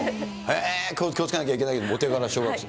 へー、気をつけなきゃいけないね、お手柄小学生。